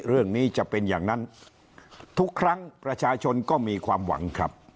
เรื่องนี้จะเป็นอย่างนั้นทุกครั้งประชาชนก็มีความหวังครับ